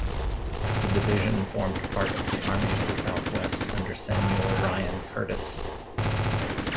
The division formed part of the Army of the Southwest under Samuel Ryan Curtis.